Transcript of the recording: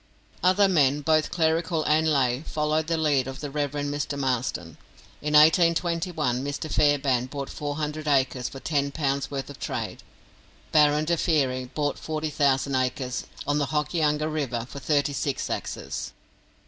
Other men, both clerical and lay, followed the lead of the Rev. Mr. Marsden. In 1821 Mr. Fairbairn bought four hundred acres for ten pounds worth of trade. Baron de Thierry bought forty thousand acres on the Hokianga River for thirty six axes.